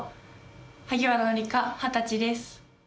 萩原紀佳、二十歳です。